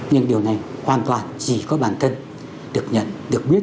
nhưng điều này hoàn toàn chỉ có bản thân được nhận được biết